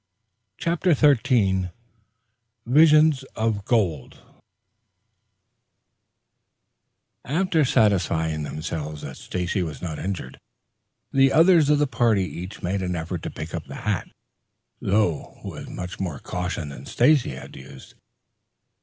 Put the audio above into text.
CHAPTER XIII VISIONS OF GOLD After satisfying themselves that Stacy was not injured, the others of the party each made an effort to pick up the hat, though with much more caution than Stacy had used.